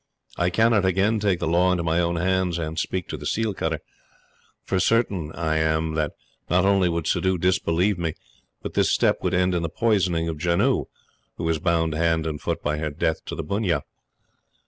I cannot again take the law into my own hands, and speak to the seal cutter; for certain am I that, not only would Suddhoo disbelieve me, but this step would end in the poisoning of Janoo, who is bound hand and foot by her debt to the bunnia.